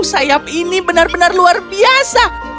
sayap ini benar benar luar biasa